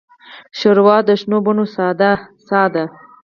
ښوروا د شنو بڼو ساه ده.